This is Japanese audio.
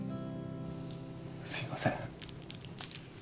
すいません。